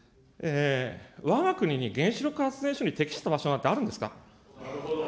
わが国に原子力発電所に適した場所なんてあるんですか。